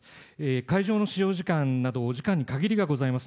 会場の使用時間など、お時間に限りがございます。